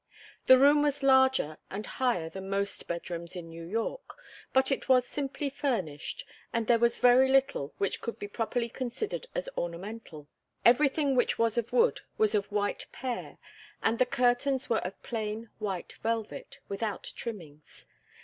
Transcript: The room was larger and higher than most bedrooms in New York, but it was simply furnished, and there was very little which could be properly considered as ornamental. Everything which was of wood was of white pear, and the curtains were of plain white velvet, without trimmings.